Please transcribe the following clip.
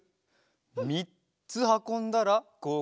みっつはこんだらごう